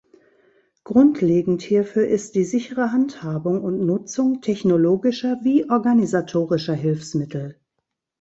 Grundlegend hierfür ist die sichere Handhabung und Nutzung technologischer wie organisatorischer Hilfsmittel.